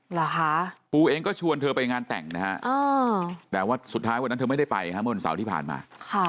เหรอคะปูเองก็ชวนเธอไปงานแต่งนะฮะแต่ว่าสุดท้ายวันนั้นเธอไม่ได้ไปฮะเมื่อวันเสาร์ที่ผ่านมา